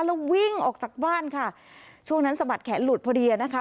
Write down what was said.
แล้ววิ่งออกจากบ้านค่ะช่วงนั้นสะบัดแขนหลุดพอดีนะคะ